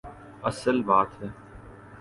اصل بات ہے۔